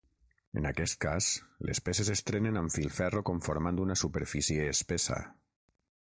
En aquest cas, les peces es trenen amb filferro conformant una superfície espessa.